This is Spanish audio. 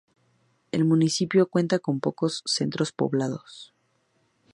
El municipio cuenta con pocos centros poblados.